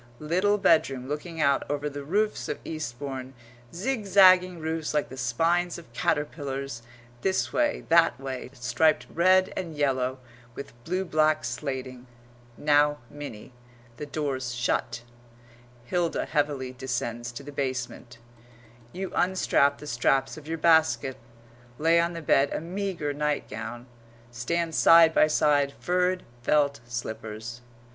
little bedroom looking out over the roofs of Eastbourne zigzagging roofs like the spines of caterpillars, this way, that way, striped red and yellow, with blue black slating]. Now, Minnie, the door's shut; Hilda heavily descends to the basement; you unstrap the straps of your basket, lay on the bed a meagre nightgown, stand side by side furred felt slippers.